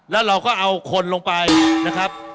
แล้วเราก็เอาคนลงไปนะครับ